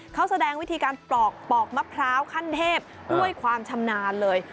เขาแสดงวิธีการปลอกปอกมะพร้าวขั้นเทพด้วยความชำนาญเลย